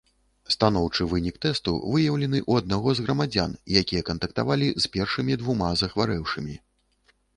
Станоўчы вынік тэсту выяўлены ў аднаго з грамадзян, якія кантактавалі з першымі двума захварэўшымі.